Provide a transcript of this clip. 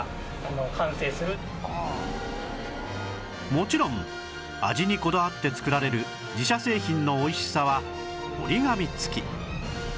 もちろん味にこだわって作られる自社製品の美味しさは折り紙つき